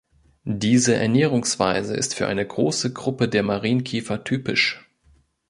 Diese Ernährungsweise ist für eine große Gruppe der Marienkäfer typisch.